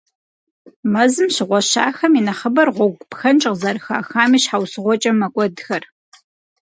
Мэзым щыгъуэщахэм и нэхъыбэр гъуэгу пхэнж къызэрыхахам и щхьэусыгъуэкӏэ мэкӏуэдхэр.